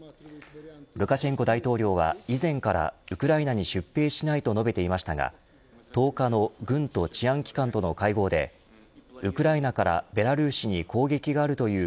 ルカシェンコ大統領は以前からウクライナに出兵しないと述べていましたが１０日の軍と治安機関との会合でウクライナからベラルーシに攻撃があるという